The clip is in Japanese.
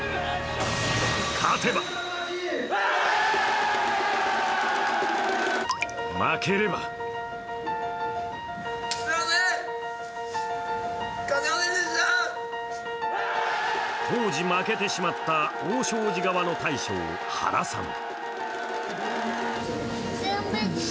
勝てば負ければ当時負けてしまった大小路側の大将・原さん。